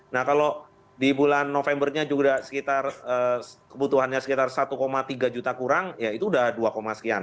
nah kalau di bulan novembernya juga sekitar kebutuhannya sekitar satu tiga juta kurang ya itu sudah dua sekian